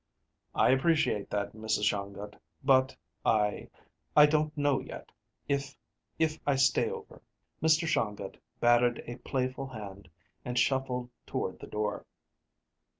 "I appreciate that, Mrs. Shongut; but I I don't know yet if if I stay over." Mr. Shongut batted a playful hand and shuffled toward the door.